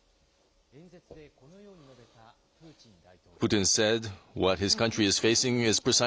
演説でこのように述べたプーチン大統領。